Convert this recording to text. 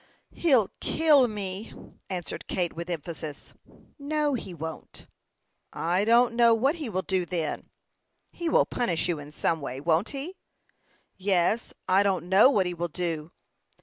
"He'll kill me!" answered Kate, with emphasis. "No, he won't." "I don't know what he will do, then." "He will punish you in some way won't he?" "Yes. I don't know what he will do."